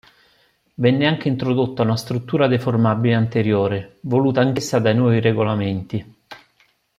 Venne anche introdotta una struttura deformabile anteriore, voluta anch'essa dai nuovi regolamenti.